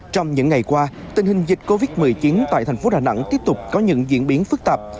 trong những ngày qua tình hình dịch covid một mươi chín tại thành phố đà nẵng tiếp tục có những diễn biến phức tạp